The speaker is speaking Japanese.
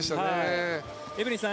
エブリンさん